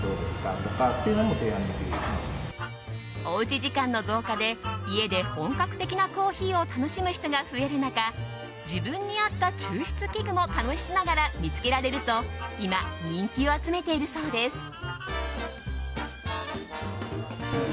おうち時間の増加で家で本格的なコーヒーを楽しむ人が増える中自分に合った抽出器具も試しながら見つけられると今、人気を集めているそうです。